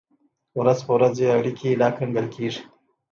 ورځ په ورځ یې اړیکې لا ګنګل کېږي.